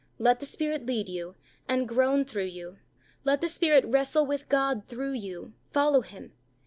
Let the Spirit lead you, and groan through you; let the Spirit wrestle with God through you follow Him.